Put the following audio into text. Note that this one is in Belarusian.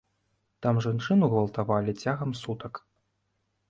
Там жанчыну гвалтавалі цягам сутак.